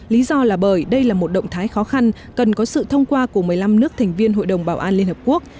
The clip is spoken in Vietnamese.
lý do là bởi đây là một động thái khó khăn cần có sự thông qua của một mươi năm nước thành viên hội đồng bảo an liên hợp quốc